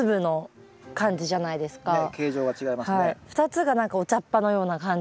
２つが何かお茶っ葉のような感じ？